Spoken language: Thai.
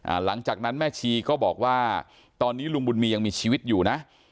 หลังจากนั้นแม่ชีก็บอกว่าตอนนี้ลุงบุญมียังมีชีวิตอยู่นะ